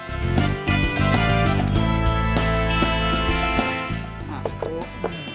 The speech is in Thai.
นี่ก็คลุก